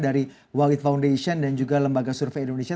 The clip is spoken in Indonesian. dari wahid foundation dan juga lembaga survei indonesia